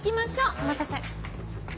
お待たせ。